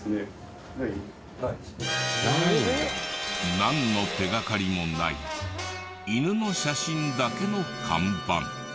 なんの手がかりもない犬の写真だけの看板。